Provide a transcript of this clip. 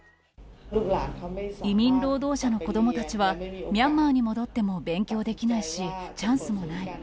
移民労働者の子どもたちは、ミャンマーに戻っても勉強できないし、チャンスもない。